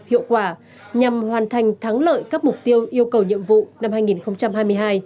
hiệu quả nhằm hoàn thành thắng lợi các mục tiêu yêu cầu nhiệm vụ năm hai nghìn hai mươi hai